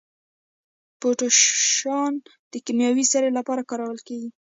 پوټاش د کیمیاوي سرې لپاره کارول کیږي.